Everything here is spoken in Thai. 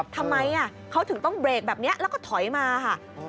ทำไมเขาถึงต้องเบรกแบบนี้แล้วก็ถอยมาค่ะ